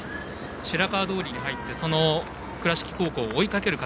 白川通に入って倉敷高校を追いかける形。